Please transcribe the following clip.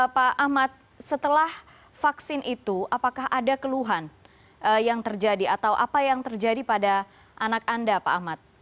pak ahmad setelah vaksin itu apakah ada keluhan yang terjadi atau apa yang terjadi pada anak anda pak ahmad